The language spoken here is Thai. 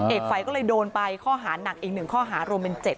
เอกไฟก็เลยโดนไปข้อหานักอีก๑ข้อหารวมเป็น๗